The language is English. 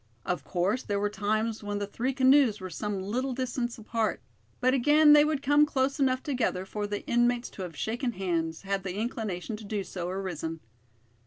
Of course there were times when the three canoes were some little distance apart, but again they would come close enough together for the inmates to have shaken hands, had the inclination to do so arisen.